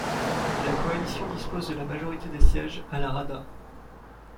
La coalition dispose de la majorité des sièges à la Rada.